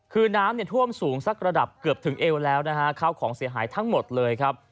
คือน้ำเนี่ยท่วมสูงสักระดับเกือบถึงเอวแล้วนะฮะข้าวของเสียหายทั้งหมดเลยครับ